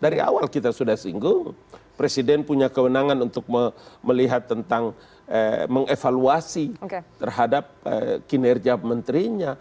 dari awal kita sudah singgung presiden punya kewenangan untuk melihat tentang mengevaluasi terhadap kinerja menterinya